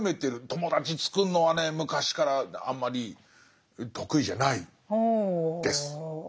友達つくるのはね昔からあんまり得意じゃないです。